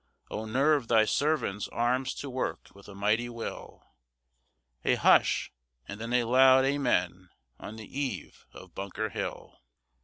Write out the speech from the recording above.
Oh, nerve Thy servants' arms to work with a mighty will!_ A hush, and then a loud Amen! on the eve of Bunker Hill!